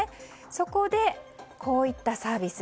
そこで、こういったサービス。